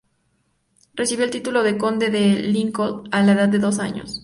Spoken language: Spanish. Recibió el título de conde de Lincoln a la edad de dos años.